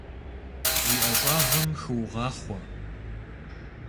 Уи ӀэщӀагъэм хыугъахъуэ!